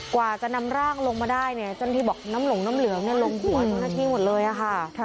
กว่าจะนำร่างลงมาได้เนี่ยเจ้าหน้าที่บอกน้ำหลงน้ำเหลืองลงหัวเจ้าหน้าที่หมดเลยค่ะ